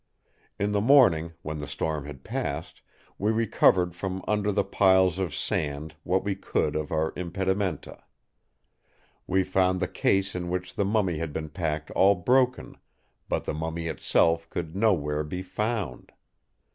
In the morning, when the storm had passed, we recovered from under the piles of sand what we could of our impedimenta. We found the case in which the mummy had been packed all broken, but the mummy itself could nowhere be found.